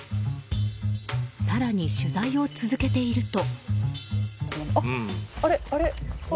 更に、取材を続けていると。